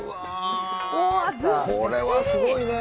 これはすごいね。